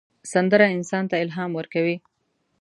سندره انسان ته الهام ورکوي